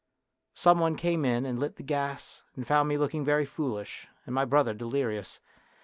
Some one came in and lit the gas, and found me looking very foolish and my brother delirious.